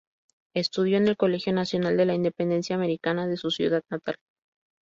Estudió en el Colegio Nacional de la Independencia Americana de su ciudad natal.